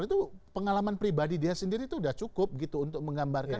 itu pengalaman pribadi dia sendiri itu sudah cukup gitu untuk menggambarkan